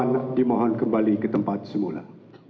dimohon kembali ke tempat semula